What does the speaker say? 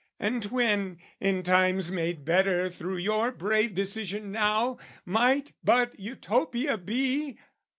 And when, in times made better through your brave Decision now, might but Utopia be!